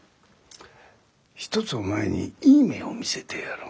ひとつお前にいい目を見せてやろう。